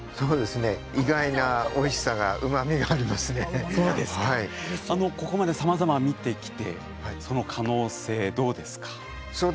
意外なおいしさ、うまみがここまでさまざま見てきてその可能性はどうですか？